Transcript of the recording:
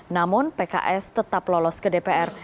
namun pks tetap lolos ke dpr